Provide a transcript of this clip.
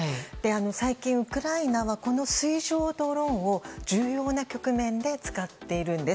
最近、ウクライナはこの水上ドローンを重要な局面で使っているんです。